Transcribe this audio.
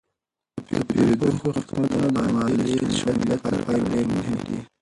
د پیرودونکو خدمتونه د مالي شمولیت لپاره ډیر مهم دي.